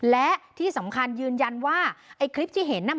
และที่สำคัญยืนยันว่าไอ้คลิปที่เห็นน่ะ